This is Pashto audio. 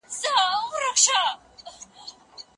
د اسلامي نهضت پلویان باید روزل سوي وای.